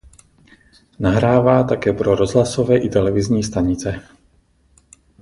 Nahrává také pro rozhlasové i televizní stanice.